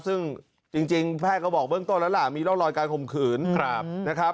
ซึ่งจริงแพทย์ก็บอกเบื้องต้นแล้วล่ะมีร่องรอยการข่มขืนนะครับ